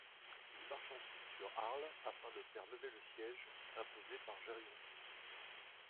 Il marche ensuite sur Arles afin de faire lever le siège imposé par Gerontius.